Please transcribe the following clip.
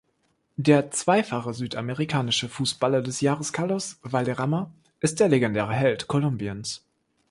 Der zweifache südamerikanische Fußballer des Jahres Carlos Valderrama ist der legendäre Held Kolumbiens.